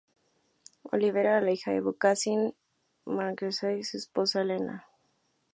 Olivera era la hija del Vukašin Mrnjavčević y su esposa Alena.